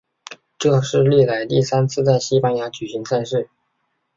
这是历来第三次在西班牙举行赛事。